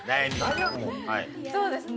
そうですね。